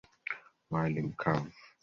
Wali mkavu.